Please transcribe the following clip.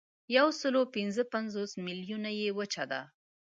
یوسلاوپینځهپنځوس میلیونه یې وچه ده.